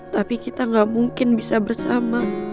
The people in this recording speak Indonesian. tapi kita gak mungkin bisa bersama